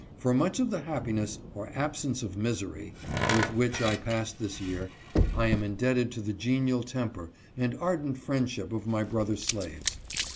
For much of the happiness, or absence of misery, with which I passed this year, I am indebted to the genial temper and ardent friendship of my brother slaves.